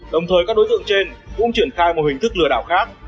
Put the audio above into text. đồng thời các đối tượng trên cũng triển khai một hình thức lừa đảo khác